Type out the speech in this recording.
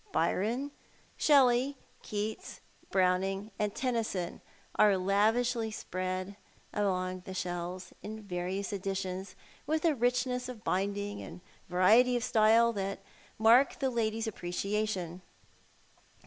Byron, Shelley, Keats, Browning, and Tennyson are lavishly spread along the shelves, in various editions, with a richness of binding and variety of style that mark tlie lady's appreciation.